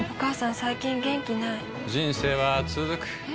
最近元気ない人生はつづくえ？